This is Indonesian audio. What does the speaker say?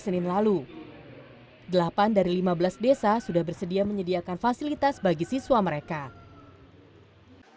senin lalu delapan dari lima belas desa sudah bersedia menyediakan fasilitas bagi siswa mereka